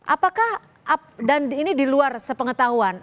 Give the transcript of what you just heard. apakah dan ini diluar sepengetahuan